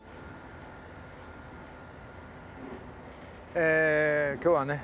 え今日はね